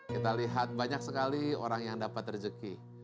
kita lihat banyak sekali orang yang dapat rezeki